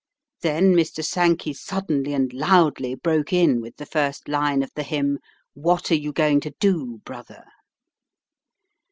Then Mr. Sankey suddenly and loudly broke in with the first line of the hymn, "What are you going to do, brother?"